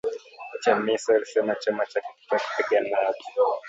Chamisa alisema chama chake hakitaki kupigana na watu